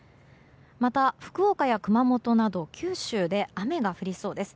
また福岡や熊本など九州で雨が降りそうです。